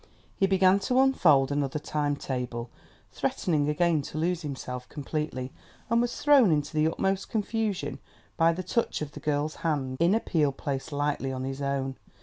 He began to unfold another time table, threatening again to lose himself completely; and was thrown into the utmost confusion by the touch of the girl's hand, in appeal placed lightly on his own.